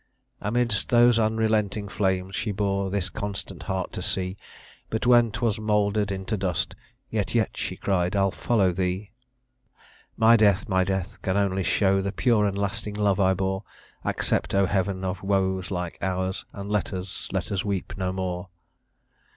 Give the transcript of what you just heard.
Amidst those unrelenting flames She bore this constant heart to see; But, when 'twas moulder'd into dust, "Yet, yet," she cried, "I'll follow thee! "My death, my death, can only show The pure and lasting love I bore; Accept, O Heaven! of woes like ours, And let us let us weep no more."